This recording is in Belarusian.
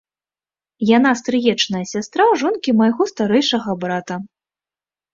Яна стрыечная сястра жонкі майго старэйшага брата.